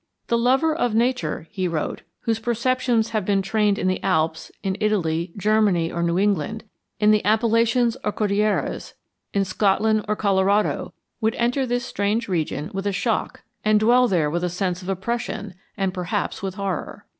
"The lover of nature," he wrote, "whose perceptions have been trained in the Alps, in Italy, Germany, or New England, in the Appalachians or Cordilleras, in Scotland or Colorado, would enter this strange region with a shock and dwell there with a sense of oppression, and perhaps with horror.